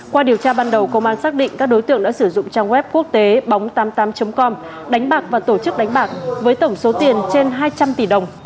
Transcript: qua điều tra ban đầu công an xác định các đối tượng đã sử dụng trang web quốc tế bóng tám mươi tám com đánh bạc và tổ chức đánh bạc với tổng số tiền trên hai trăm linh tỷ đồng